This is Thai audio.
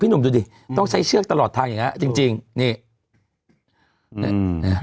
หนุ่มดูดิต้องใช้เชือกตลอดทางอย่างเงี้จริงจริงนี่นะ